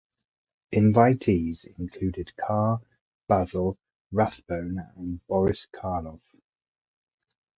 Invitees included Carr, Basil Rathbone, and Boris Karloff.